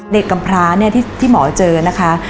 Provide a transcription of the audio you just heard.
เด็กกำพลาที่หมอเจอนะคะ